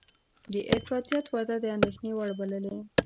د افراطیت وده د اندېښنې وړ بللې